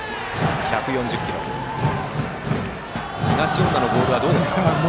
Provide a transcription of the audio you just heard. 東恩納のボールはどうですか？